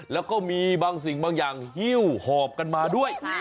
แล้วก็มีบางสิ่งบางอย่างหิ้วหอบกันมาด้วย